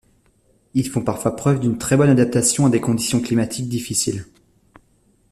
Ils font parfois preuve d'une très bonne adaptation à des conditions climatiques difficiles.